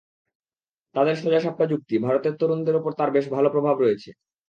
তাদের সোজাসাপ্টা যুক্তি, ভারতের তরুণদের ওপর তাঁর বেশ ভালো প্রভাব রয়েছে।